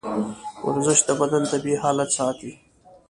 ورزش د بدن طبیعي حالت ساتي.